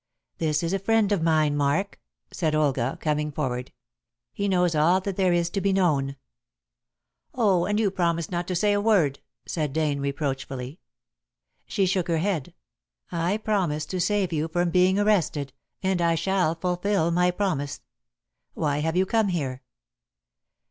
"This is a friend of mine, Mark," said Olga, coming forward. "He knows all that there is to be known." "Oh! And you promised not to say a word," said Dane reproachfully. She shook her head. "I promised to save you from being arrested, and I shall fulfil my promise. Why have you come here?"